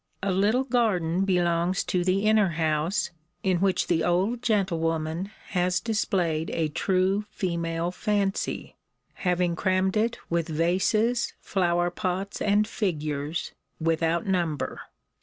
A little garden belongs to the inner house, in which the old gentlewoman has displayed a true female fancy; having crammed it with vases, flower pots, and figures, without number.